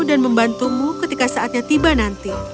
dan membantumu ketika saatnya tiba nanti